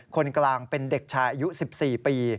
คนกลางเป็นเด็กชายอายุ๑๔ปี